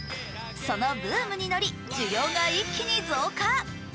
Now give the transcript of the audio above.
そのブームに乗り、需要が一気に増加。